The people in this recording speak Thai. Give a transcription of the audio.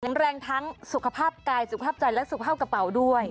แรงทั้งสุขภาพกายสุขภาพใจและสุขภาพกระเป๋าด้วย